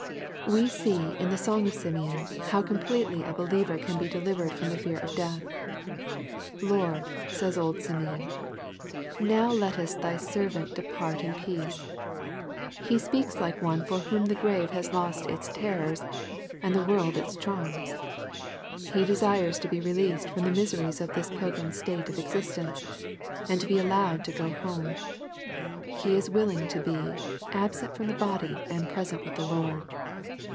We see in the song of Simeon how completely a be liever can he delivered from the/ear of death ;" Lord," says old Simeon, " now lettest thou thy servant depart in peace." He speaks like one for whom the grave has lost its terrors, and the world its charms. He desires to be released from the miseries of this pilgrim state of existence, and to be allowed to go home. He is willing to be "absent from the body and present with the Lord."